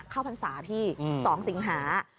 เข้าทันศาสตร์พี่สองสิงหา